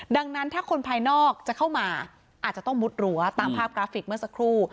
ดังนั้นถ้าคนภายนอกจะเข้ามาอาจจะต้องมุดรั้วตามภาพกราฟิกเมื่อสักครู่